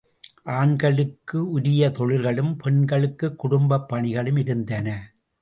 ஆண்களுக்கு உரிய தொழில்களும், பெண்களுக்குக் குடும்பப் பணிகளும் இருந்தன.